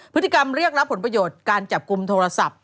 พฤติกรรมเรียกรับผลประโยชน์การจับกลุ่มโทรศัพท์